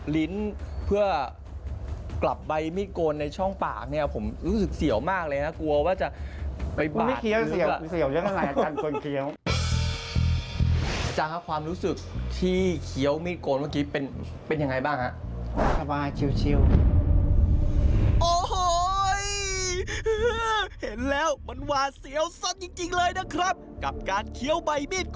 เริ่มเลยละกันนะครับ